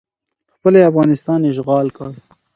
خپله یې افغانستان اشغال کړ